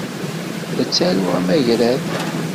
La ttaruɣ amagrad.